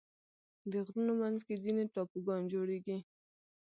د غرونو منځ کې ځینې ټاپوګان جوړېږي.